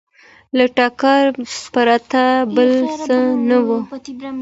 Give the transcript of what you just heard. له ټکر پرته بل څه نه وو